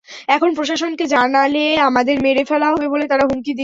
এখন প্রশাসনকে জানালে আমাদের মেরে ফেলা হবে বলে তারা হুমকি দিচ্ছে।